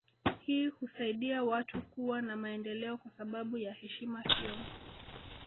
Hii husaidia watu kuwa na maendeleo kwa sababu ya heshima hiyo